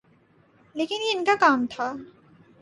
لیکن یہ ان کا کام تھا۔